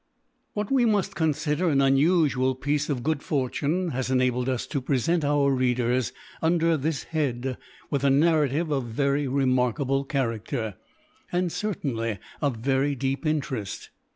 WHAT we must consider an unusual piece of good fortune has enabled us to present our readers, under this head, with a narrative of very remarkable character, and certainly of very deep interest.